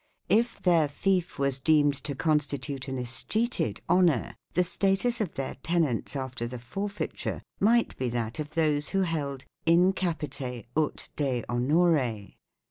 If their fief was deemed to constitute an escheated Honour, the status of their tenants after the forfeit ure might be that of those who held " in capite ut de Honore".